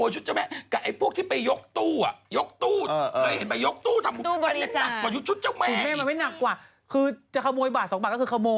ชุดว่าสว่างนี่โทนดูดแล้วแบบ